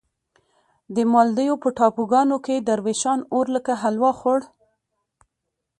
د مالدیو په ټاپوګانو کې دروېشان اور لکه حلوا خوړ.